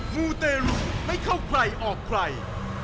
มูเตรุไม่เข้าใครออกใคร